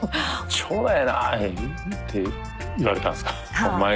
ちょうどええな！って言われたんすか？